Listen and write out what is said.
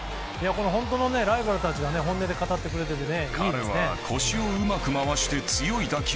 本当のライバルたちが本音で語ってくれてていいですね。